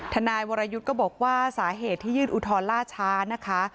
ทนายวรยุทธ์ก็บอกว่าสาเหตุที่ยื่นอุทธรณ์ล่าช้านะคะ